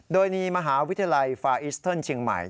โดยมีมหาวิทยาลัยฟาอิสเทิร์นเชียงใหม่